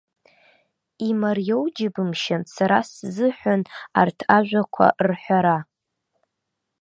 Имариоу џьыбымшьан сара сзыҳәан арҭ ажәақәа рҳәара.